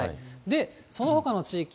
で、そのほかの地域。